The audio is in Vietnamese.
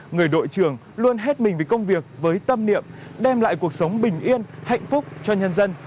người đội trường luôn hết mình vì công việc với tâm niệm đem lại cuộc sống bình yên hạnh phúc cho nhân dân